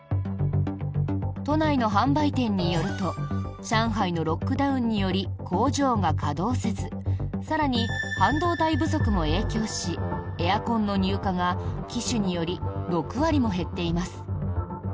都内の販売店によると上海のロックダウンにより工場が稼働せず更に半導体不足も影響しエアコンの入荷が機種により６割も減っています。